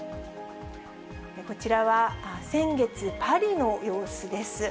こちらは先月、パリの様子です。